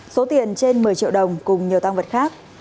số tiền trên một mươi triệu đồng cùng nhiều tăng vật khác